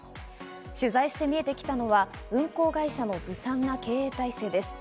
取材して見えてきたのは運航会社のずさんな経営体制です。